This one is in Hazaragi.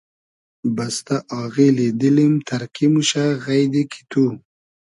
بستۂ آغیلی دیلیم تئرکی موشۂ غݷدی کی تو